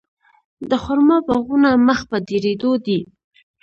د خرما باغونه مخ په ډیریدو دي.